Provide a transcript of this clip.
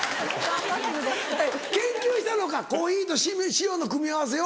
研究したのかコーヒーと塩の組み合わせを。